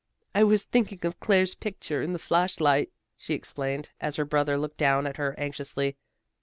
"I was thinking of Claire's picture in the flash light," she explained, as her brother looked down at her anxiously.